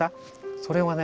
それはね